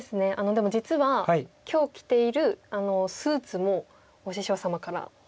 でも実は今日着ているスーツもお師匠様から頂いたものでして。